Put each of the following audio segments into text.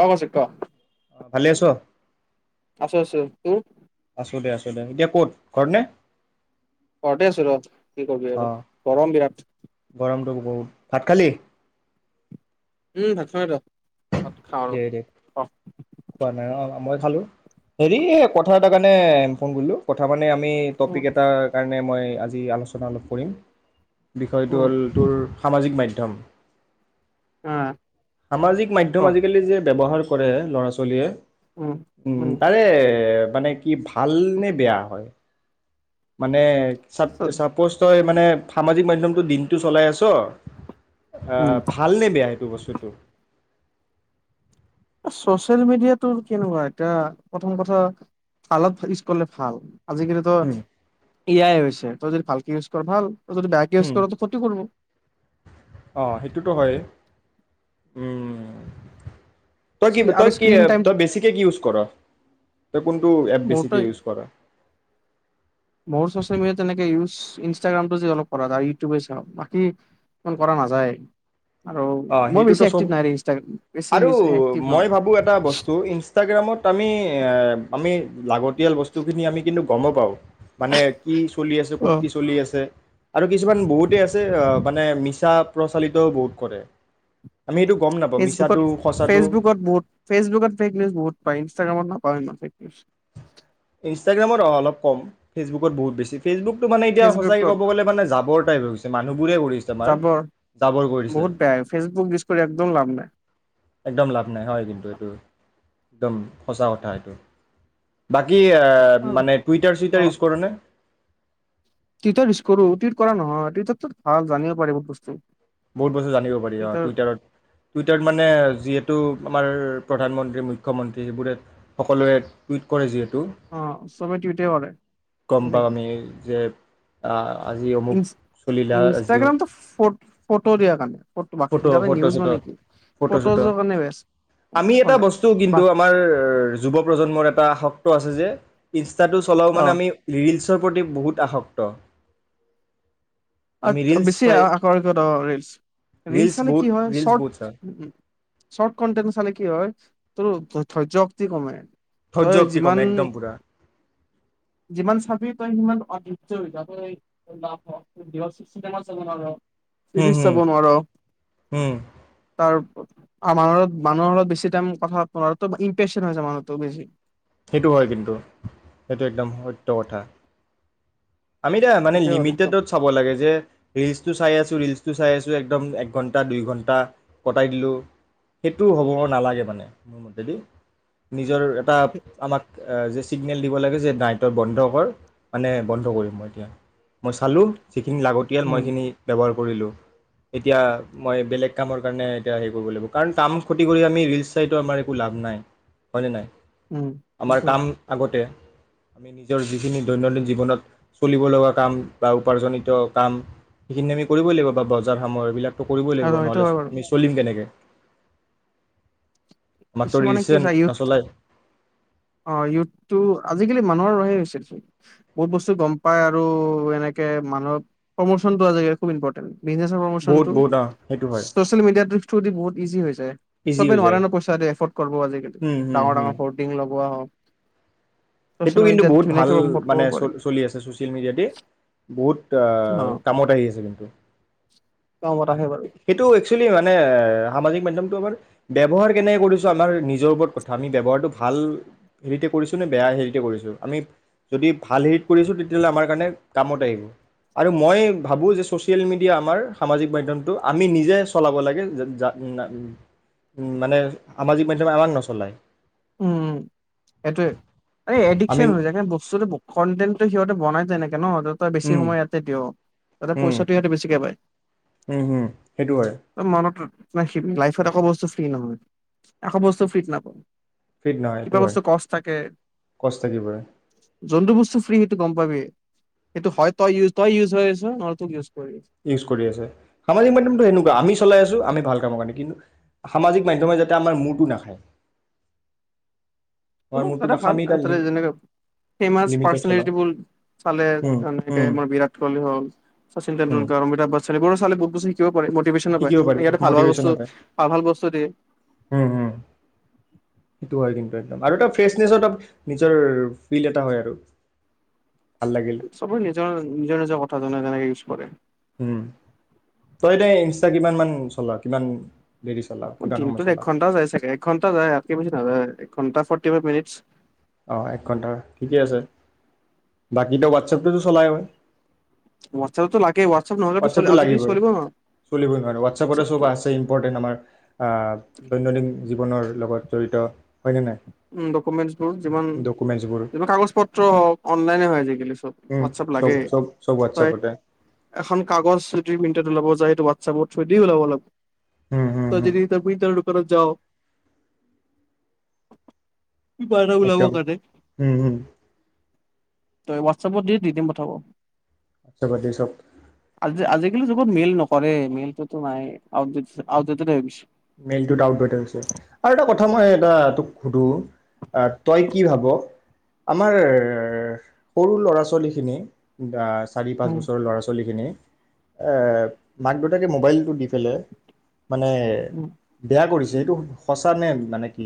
অ‌ কৌশিক ক ভালে আছো? আছো আছো তোৰ? আছো দে আছো দে এতিয়া ক'ত ঘৰতনে? ঘৰতেই আছো ৰ'হ। কি কৰিবি আৰু গৰম বিৰাট। গৰমটো বহুত ভাত খালি উম ভাত খালো ৰ'হ। দে দে খোৱা নাই অ মই খালো হেৰী এই কথা এটাৰ কাৰণে ফোন কৰিলো কথা‌ মানে আমি টপিক এটাৰ কা মানে মই আজি আলোচনা অলপ কৰিম বিষয়টো উম হ'ল তোৰ সামাজিক মাধ্যম সামাজিক মাধ্যম অ আজি যে ব্যৱহাৰ কৰে ল'ৰা ছোৱালীয়ে উম তাৰে মানে কি ভালনে বেয়া হয়? মানে তাৰপিছত চাপোজ তই মানে সামাজিক মাধ্যমটো দিনটো চলাই আছ অ উম ভাল নে বেয়া সেইটো বস্তু? [unintelligible] চচিয়েল মিডিয়াটোৰ কেনেকুৱা এতিয়া, প্ৰথম কথা ভালত ইউজ কৰিলে ভাল। আজিকালিতো হুম এ আই হৈছে, তই যদি ভালকে ইউজ কৰ' ভাল। যদি বেয়াকে ইউজ হুম কৰ তোৰ ক্ষতি কৰিব। অ সেইটোতো হয় উম। তই কি, আৰু তই কি স্ক্ৰীন তই বেছিকে কি ইউজ কৰ'? তই কোনটো এপ মোৰটো, বেছিকৈ ইউজ কৰ মোৰ চচিয়েল মিডিয়া তেনেকে ইউজ ইনষ্টাগ্ৰামটো যে অলপ কৰা যায় আৰু ইউটিউবেই চাওঁ, বাকী ইমান কৰা নাযায়। আৰু অ', মই বেছি সেইটোতো চব এক্টিভ নাই দেই ইনষ্টাগ্ৰাম বেছি আৰু এক্টিভ নহয়। মই ভাবোঁ এটা বস্তু ইনষ্টাগ্ৰামত আমি আমি লাগত [unintelligible] বস্তুখিনি আমি কিন্তু গমো পাওঁ, মানে কি চলি আছে, ক'ত অ'। কি চলি আছে। আৰু কিছুমান বহুতেই আছে আ মানে মিছা প্ৰচালিতও বহুত কৰে। আমি সেইটো গম নাপাওঁ মিছাটো সঁচাটো ফেচবুকত-ফেচবুকত বহুত ফেচবুকত ফেক নিউজ বহুত পায় ইনষ্টাগ্ৰামত নাপাওঁ ইমান। [unintelligible] ইনষ্টাগ্ৰামত অ-অলপ কম, ফেচবুকত বহুত বেছি। ফেচবুকটো মানে এতিয়া সঁচাকে ফেচবুকত কব গ'লে মানে জাবৰ। [unintelligible] মানুহ জাবৰ বহুত বেয়া ফেচবুক ইউজ কৰি একদম লাভ নাই। একদম লাভ নাই হয় কিন্তু এইটো। একদম সঁচা কথা এইটো বাকী। ই মানে টুইতাৰ চুইতাৰ ইউচ কৰা নে। টুইতাৰ ইউচ কৰো [unintelligible] কৰা নহয় [unintelligible] ভাল জানিবও পাৰি বহুত বস্তু। বহুত বস্তু জানিব পাৰি অ টুইটাৰ টুইটাৰত টুইটাৰত মানে যিহেতু। আমাৰ প্ৰধানমন্ত্ৰী, মুখ্যমন্ত্ৰী সেইবোৰে সকলোৱে টুইট কৰে যিয়ে। টো অ', চবে টুইটে কৰে গম পাওঁ আমি যে। অ'। ই-ইনষ্টাগ্ৰামটো ফটো। ফটো দিয়া কাৰণে। বাকী ফটো ফটো নিউজ চটো মানে কি ফটো চটো ফটোজৰ কাৰণে বেষ্ট। আমি একো এটা নাই বস্তু বা কিন্তু আমাৰ যুৱ প্ৰজন্মৰ এটা শক্ত আছে যে। ইন। চলাও মানে অ'। আমি ৰিলচ। ৰ প্ৰতি বহুত আসক্ত। আমি ৰিলচ বেছি পাই আ-আকৰ্ষিত ৰিলচ। ৰিলছ ৰিলচ চালে বহুত কি হয় ৰিলচ বহুত শৰ্ট চাওঁ উ শৰ্ট কনটেন্ট চালে কি হয়। তোৰ ধৈৰ্য শক্তি কমে। ধৈৰ্য্য তই শক্তি কমে যিমান একদম পুৰা যিমান চাবি তই সিমান। অধৈৰ্য হৈ যাব। [unintelligible] [unintelligible] চিনেমা চাব নোৱাৰো। হুম চিৰিজ হুম চাব নোৱাৰ হুম তাৰ। মানুহ মানুহৰ হত বেছি টাইম কথাোৱাৰ ইমপ্ৰেশচন হৈছে মানুহতো বেছি। সেইটো হয় কিন্তু, সেইটো একদম সত্য কথা। আমি এতিয়া মানে সেইটোৱে হ'ল একদম লিমিটেডত চাব লাগে যে ৰিলচটো চাই আছোঁ। ৰিলচটো চাই আছো একদম একঘণ্টা, দুইঘণ্টা কটাই দিলো সেইটো হ'ব নালাগে মানে মোৰ মতেদি। [unintelligible] এটা আমাক আ। চিগনেল দিব লাগে যে নাইটৰ বন্ধ কৰ মানে বন্ধ কৰিম। মই এতিয়া মই চালোঁ যিখিনি লাগতিয়াল, মই উম সিখিনি ব্যৱহাৰ কৰিলোঁ। এতিয়া মই বেলেগ কামৰ কাৰণে এতিয়া হেৰি কৰিব লাগিব, কাৰণ কাম ক্ষতি কৰি ৰিলছ চাইটো আমাৰ একো লাভ নাই, হয়নে নাই? উম আমাৰ সেইটো হয়। কাম আগতে। আমি নিজৰ যিখিনি দৈনন্দিন জীৱনত চলিব লগা কাম বা উপাৰ্জনিত কাম, সেইখিনি আমি কৰিবই লাগিব বা বজাৰ সমাৰ এইবিলাক। ত কৰিবই লাগিব আৰু সেইটো নহ'লে হয় বাৰু আমি চলিম কেনেকে? আমাকতো কিছুমানে ৰিলচে কি চায়, ইয়থ নচলায় অ ইয়ুথটো আজিকালি মানুহ [unintelligible] বহুত বস্তু গম পায় আৰু এনেকে মানুহৰ প্ৰমোচনটো আজিকালি খুব ইম্পৰ্টেণ্ট। বিজনেছৰ বহুত প্ৰমোচনটো বহুত অ সেইটো হয় ছ'চিয়েল মিডিয়াটো থ্ৰু দি বহুত ইজি হৈ যায়। যে ইজি চবে হৈ নোৱাৰে যায় ন পইচ তাতে এফৰ্ট কৰ্বো আজি কালি উম, হুম, ডাঙৰ হুম, ডাঙৰ ফৰ্ডিং লগুৱা হয় সেইটো কিন্তু বহুত ভাল ধুনীয়াকে প্ৰমোট মানে কৰিব পাৰি চলি আছে ছ'চিয়েল মিডিয়াতেই বহুত টা অ', কামত আহি আছে, কিন্তু কামত আহে বাৰু সেইটো একচুৱেলি মানে সামাজিক মাধ্যমটো আমাৰ ব্যৱহাৰ কেনেকে কৰিছোঁ, আমাৰ নিজৰ ওপৰত কথা। আমি ব্যৱহাৰটো ভাল হেৰিতে কৰিছোঁ নে বেয়া হেৰিত কৰিছোঁ আমি যদি ভাল হেৰিত কৰিছোঁ তেতিয়াহ'লে আমাৰ কাৰণে কামত আহিব, আৰু মই ভাবোঁ যে ছ'চিয়েল মিডিয়া আমাৰ সামাজিক মাধ্যমটো, আমি নিজে চলাব লাগে [unintelligible] মানে সামাজিক মাধ্যমে আমাক নচলায়। উম এইটোৱে। আৰে আমি এডিকচন হৈ যায় না বস্তুটো কণ্টেণ্টটো খিহ'ত বনাই তেনেকে। কে ন তই বেছি উম, সময় ইয়াতে দিয় তাতে উম, পইচাটো ইয়াতে বেছিকৈ পায়। উম, উম, সেইটো হয়। তই মনত লাইফত একো বস্তু ফ্ৰী নহয় একো বস্তু ফ্ৰীত নাপাম। ফ্ৰীত নহয় এইটো হয় কষ্ট থাকিবই। যোনটো বস্তু ফ্ৰী সেইটো গম পাবিয়ে সেইটো হয়, তই-তই ইউজ হৈ আছ' নহ'লে তোক ইউজ কৰি আছ ইউজ কৰি আছে সামাজিক মাধ্যমটো এনেকুৱা আমি চলাই আছোঁ, আমি ভাল কামৰ কাৰণে কিন্তু সামাজিক মাধ্যমে যাতে আমাৰ মূৰটো নাখায়। আমাৰ কোনো মূৰটো এটা নাখায় ভাল আমি তাৰ যেনে ফেমাচ লিমিটত চলাওঁ পাৰ্চনেলিটিবোৰ চালে উম তেনেকে উম মোৰ বিৰাট কোহলি হল শচীন উম তেণ্ডুলকাৰ, অমিতাভ বচ্চন এইবোৰো চালে বহুত বস্তু শিকিব পাৰে শিকিব পাৰি [unintelligible] ইতে ভাল ভাল মটিভেশ্যনো বস্তু পায় ভাল ভাল বস্তু দিয়ে। উম উম একম আৰু এটা ফ্ৰেচনেছৰটা নিজৰ ফিল এটা হয় আৰু। ভাল লাগিল চবে নিজৰ নিজৰ-নিজৰ কথা জানে। যেনেকে ইউজ কৰে। উম তই এতিয়া ইনষ্টা কিমান মান চলাঅ কিমান? দেৰি চলাও [unintelligible] কিমান সময় দিনটোত এক চলাও ঘণ্টা যায় চাগে একঘণ্টা যায় য়াতকে বেছি নাযায় ঘণ্টা ফৰ্টিফাইভ মিনিটছ। অ এক ঘন্টাৰ ঠিকে আছে। বাকী তো ৱাটছএপটোতো চলাই অয়। হোৱাটছএপতো লাগে হোৱাটছএপ নহলেতো চলি ৱাটছআপটো আজিকালি লাগিবই, চলিব ন চলিবই নোৱাৰে ৱাটছআপতে চব হোৱাটছএপটো আছে ইম্পৰ্টেন্ট আমাৰ আ দৈনন্দিন জীৱনৰ লগত জড়িত হয়নে নাই উ ডকুমেণ্টছবোৰ। মান ডকুমেণ্টছবোৰ যি [inaudible] কাগজ পত্ৰ অনলাইনে হয় আজিকালি চব উম, ৱাটছআপ চব লাগে, চব চব হয়, হোৱাটছআপতে এখন কাগজ দুই মিনিটত ৱযায় সেটো হোৱাটছআপৰ থ্ৰ দি ওলাব লা হুম, হুম, হুম, তইযদি [inaudible] প্ৰা যাও। কি পাৰ্থই বোলে আকৌ একদম কাটে? হুম, হুম, তই ৱাটছআপত দি দিম পঠাব। [unintelligible] বাদদি চব। [unintelligible] জগত মেইল নকৰে মেইেলটোতো নাই আউটডেটচ আউটডেটেদ হৈ গৈছে। মেইলটোত আউট হৈ সোদো, তই কি ভাব আমাৰ সৰু ল'ৰা ছোৱালীখিনি আত চাৰি পাঁচ উম বছৰৰ লৰা-ছোৱালীখিনি। এ মাক দউতাকে মোবাইলটো দি পেলাই। মানে উম বেয়া কৰিছে এইটো সঁচা নে নে মানে কি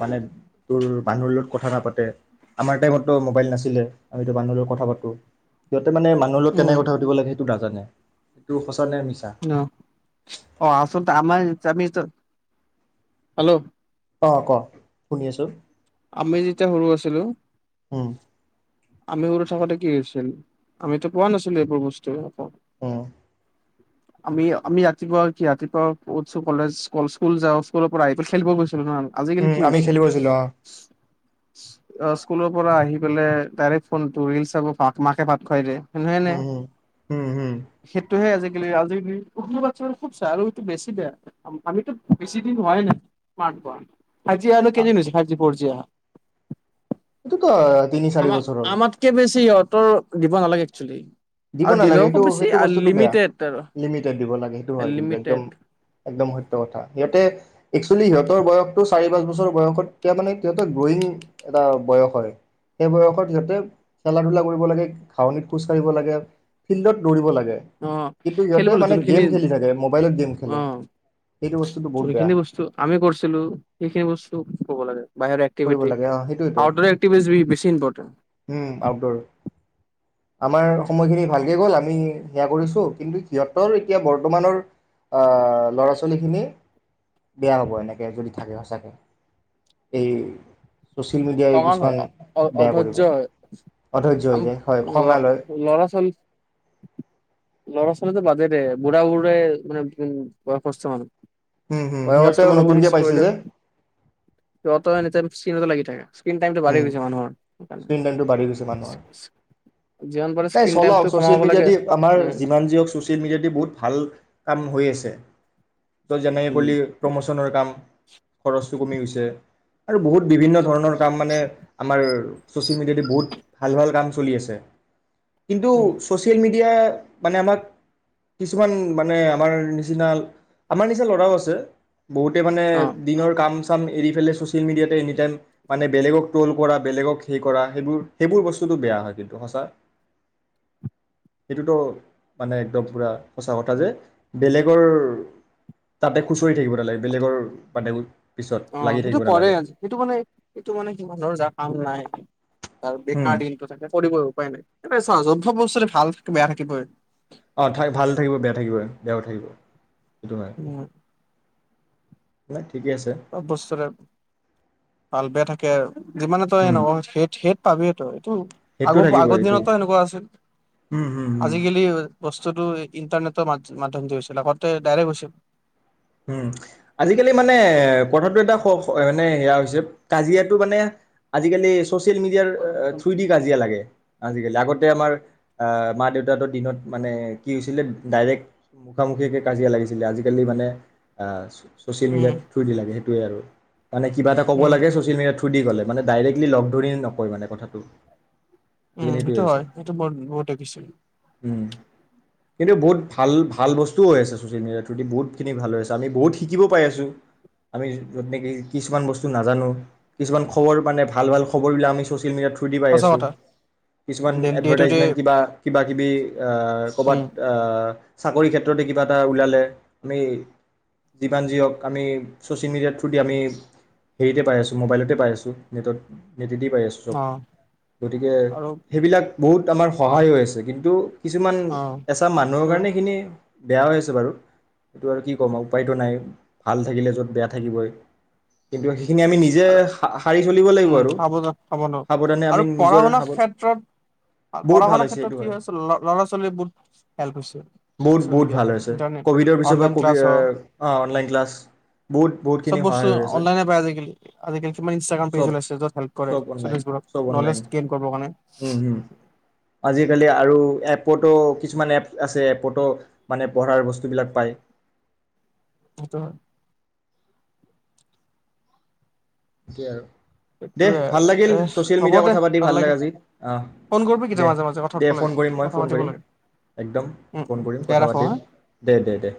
মানে ৰ ৰ মানুহৰ লগত কথা নাপাতে, আমাৰ টাইমটতো মোবাইল নাছিলে আমিতো মানুহৰ লগত কথা পাতো যত মানে মানুহ লগত কেনে কথা পাতিব লাগে সেইটো দাত। জনে। সেইটো সচ অহ। অ অ আচলতে আমাৰ চমিষ্টৰ, হেল্ল' অ' ক, শুনি আছো। আমি যেতিয়া সৰু আছিলো, উ আমি সৰু থাকোতে কি হৈছিল, আমিতো পোৱা নাছিলো এইবোৰ বস্তু একো। উম। আমি আমি ৰাতিপুৱা কি ৰাতিপুৱা উঠছো কলেজ স্কুল যাও স্কুলৰ পৰা আহি পেলাই খেলব গৈছো। [unintelligible] আজিকালি উম কি আমি হৈছে খেলি [inaudible] গৈছিলোঁ অ অচ স্কুলৰ পৰা আহি পেলাই তাৰে ফোনটো ৰিলচ চাব পাক মাকে ভাত খৱাই দে। নহেনে উম উম উম উম সেইটোহে আজি এলেআজিলি উঠনো বাচ্ছাৰে খুব চাই আৰুসটো বেছি বেয়া আমিতো বেছি দিন হোৱাই নাই, মাৰ খোৱা। আজি আৰু কেদিন হৈছে ফাইভ জিহ। ৱৰ্জীয়া। এটোকত? আমা আমাতকে বেছি ইহঁত উম দিব নালাগে একচোয়েলী দিব নালাগে সেইটো সেইটো বস্তুটো বেয়া আৰু লিমিটেড দিব লাগে সেইটো হয় কিন্তু একদম লিমিটেড একদম সত্য কথা এয়াতে, একচোয়েলী সিহঁতৰ বয়সটো চাৰি পাঁচৰ বয়সত তেতিয়া মানে গ্ৰইং এটা বয়স হয় সেই বয়সত সিহঁতে খেলা ধূলা কৰিব লাগে ঘাঁহনিত খোজ কাঢ়িব লাগে। ফিল্ডত দৌৰিব লাগে। অ' কিন্তু সিহঁতে খেলিবলৈটো মানে সেইখিনি গেম খেলি থাকে মোবাইলত গেম অ খেলে সেইটো বস্তুটো বহুত বেয়া সেইখিনি বস্তু আমি কৰিছিলো সেইখিনি বস্তু কৰিব লাগে। বাহিৰা কৰিব এক্টিভিটি লাগে অ সেইটোৱেতো আউটৰে এক্টিভিটি বেছি ইমপৰ্টেন, উম আউটডোৰ আমাৰ সময়খিনি ভালে গ'ল আমি এয়া কৰিছো কিন্তু সিহঁতৰ এতিয়া বৰ্তমানৰ আ ল'ৰা ছোৱালীখিনি বেয়া হ'ব এনেকে যদি থাকে সচাকে এই, চ'ছিয়েল মিডিয়া খঙাল হয় কিছুমান বেয়া কৰিব অধৈৰ্য হয় অধ্যয়্ হৈ যায় খঙাল হয়। ল'ৰা ছোৱালী ল'ৰা ছোৱালীটো বাদে দে বুঢ়াবোৰে এ এ বয়সস্থ উম হম বয়সস্হ সিহঁতেও মানুহবোৰে নতুনকে ইউজ পাইছে কৰিলে যে সিহঁতৰ এনি টাইম, চিৰিয়েলতে লাগি থাকে। স্ক্ৰীণ টাইমটো বাঢ়ি উম গৈছে মানুহৰ সেইকাৰণে স্কীন টাইমটো বাহি গৈছে মানুহৰ যিমান পাৰে এই স্ক্ৰীণ চলক টাইমটো চ'ছিয়েল কমাব লাগে মিডিয়াটি আমাৰ উম যিমান যি নহওঁক চ'ছিয়েলটি বহুত ভাল, ভাল কাম কৰি আছে। যেনে উম পলি প্ৰম'ছনৰ কাম, খৰচটো কমি গৈছে আৰু বহুত বিভিন্ন ধৰণৰ কাম মানে আমাৰ চ'ছিয়েল মিডিয়া দি বহুত ভাল ভাল কাম চলি আছে। কিন্তু উম চ'ছিয়েল মিডিয়া এতিয়া মানে আমাক কিছুমান মানে আমাৰ নিচিনা আমাৰ নিচিনা ল'ৰাও আছে। বহুতে অ দিনৰ কাম চাম চাম এৰি পেলায় চ'ছিয়েল মিডিয়াটে এনি টাইম মানে বেলেগ ত'লড কৰা বেলেগক হেৰী কৰা সেইবোৰ সেইবোৰ বস্তুটোতো বেয়া কিন্তু সচাঁ। সেইটোতো মানে একদম পোৰা মানে সচাঁ কথা যে বেলেগৰ তাতে, কৰি থাকিব নালাগে বেলেগৰ মানে, পিছত অ' লাগি সেইটো থাকিব কৰে নালাগে আজি সেইটো মানে সেইটো মানে কি মানুহৰ যাৰ কাম নাই উম বেকাৰ দিনটো থাকে কৰিবয়ে উপায় নাই। [inaudible] মাজত চব বস্তুৰে ভাল থাক বেয়া থাকিবয়ে। অ থাই ভাল থাকিব বেয়া থাকিবই বেয়াও থাকিব। সেইটো হয় উম। [inaudible] অ' বস্তু এটা ভাল বেয়া থাকিবই। [unintelligible] যিমানেই তই উম নকওঁ [unintelligible] পাবিতো উম, আগ সেইটো থাকিব আগৰ এইটো দিনটো এনেকুৱা আছিল, উম, হুম, হুম, আজিকালি হ'ল। বস্তুটো ইণ্টাৰনেটৰ মাধ্যমদি হৈছিল আগতে ডাইৰেক্ট হৈছিল। উম, আজিকালি মানে এ তথাপিও এটা খ মানে হেৰা হৈছে, কাজিয়াটো মানে আজিকালি স্ক চছিয়েল মিডিয়াৰ ৰ, থ্ৰুইদি কাজিয়া লাগে। আজিকালি, আগতে আমাৰ অ, মা-দেউতাহঁতৰ দিনত মানে কি হৈছিলে ডাইৰেক্ট মুখামুখিকে কাজিয়া লাগিছিলে আজিকালি মানে। আ ছোঁ। চ'ছিয়েল মিডিয়াৰ উম থ্ৰুদি লাগে। [unintelligible] মানে কিবা এটা ক'ব উম লাগে, চছিয়েল মিডিয়াৰ থ্ৰু শুনি পেলাই, মানে ডাইৰেক্টলি লগ ধৰি আৰু মানে নকয় আৰু কথাটো। আজিকালি উম সেইটোৱে এইটো হৈছে হয়, এইটো বহুত। [unintelligible] উম, কিন্তু বহুত ভাল-ভাল বস্তুও হৈ আছে, চ'ছিয়েল মিডিয়াৰ থ্ৰুইদি বহুতখিনি ভালে আছে। আমি বহুত শিকিব পাই আছোঁ, আমি য'ত নেকি কিছুমান বস্তু নাজানোঁ, কিছুমান মানে ভাল-ভাল খবৰবিলাক আমি চ'চিয়াল মেডিয়াত থ্ৰদি পাই সঁচা আছোঁ, কথা কিছুমান day day to day advertisement কিবা কিবা-কিবি অ ক'ৰবাত উম অ চাকৰি ক্ষেত্ৰতে কিবা এটা ওলালে, আমি যিমান যি হওঁক, আমি চ'ছিয়েল মেডিয়াৰ থ্ৰুদি আমি হেৰিতে পাই আছোঁ মোবাইলতে পাই আছোঁ, নেটত। [unintelligible] পাই আছোঁ চব, অ গতিকে আৰু সেইবিলাক বহুত আমাৰ সহায় হৈ আছে, কিন্তু কিছুমান, অ এচাম মানুহৰ কাৰণে এখিনি বেয়া হৈ আছে বাৰু, এইটো আৰু কি কম আও। উপায়টো নাই, ভাল থাকিলে য'ত, বেয়া থাকিবই। কিন্তু সেইখিনি আমি নিজে আৰু সাৰি চলিব লাগিব উম্ আৰু হব যা, হব ন সাৱধানে আৰু আমি নিজৰ পঢ়াশুনা সাৱ ক্ষেত্ৰত বহুত ভাল পঢ়াশুনা হৈছে ক্ষেত্ৰত সেইটো কি হয় হৈছে ল'ৰা-ছোৱালীবোৰ হেল্প হৈছে বহুত চ'ছিয়েল বহুত ভাল মেডিয়াটো, হৈছে অনলাইন ক্লাছ হওঁক। অ', অনলাইন ক্লাছ, বহুত বহুতখিনি বস্তু সহায় হৈ আছে। অনলাইনে পায় আজিকালি আজিকালি কিমান ইনষ্ট্ৰাগ্ৰাম চব পেজ ওলাইছে য'ত হেল্প কৰে চব লৰা অনলাইন ছোৱালীবোৰক, চব অনলাইন ন'লেজ গেইন কৰিব কাৰণে। উম, উম। আজিকালি আৰু এ'পটো কিছুমান এপ আছে, এ'পটো মানে পঢ়াৰ বস্তুবিলাক পায়। সেইটো হয়। সেইটোৱে আৰু। দে, সেইটোয়ে ভাল লাগিল, এ চ'ছিয়েল হ'ব মেডিয়াৰ দে কথা পাতি ভাল ভালকে লাগিল আজি, অহ, ফোন কৰিবি কেতিয়া মাজে মাজে কথা দে পাতিব লাগে ফোন কৰিম মই কথা ফোন পাতিব কৰিম, লাগে একদম উম উম ফোন কৰিম, দিয়া কথা ৰাখো হা পাতিম, দে, দে, দে।